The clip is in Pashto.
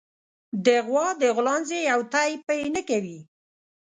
د غوا د غولانځې يو تی پئ نه کوي